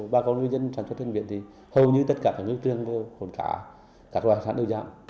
bà con ngư dân sản xuất hành viện thì hầu như tất cả các ngư trường hồn cá các loại hải sản đều giảm